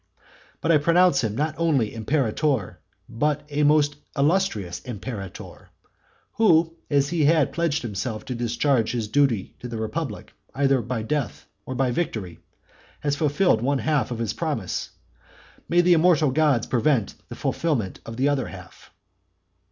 But I pronounce him not only imperator, but a most illustrious imperator; who, as he had pledged himself to discharge his duty to the republic either by death or by victory, has fulfilled one half of his promise; may the immortal gods prevent the fulfilment of the other half!